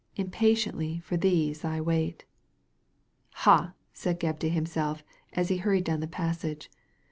Impatiently for these I wait" '^ Ha I " said Gebb to himself, as he hurried down the passage.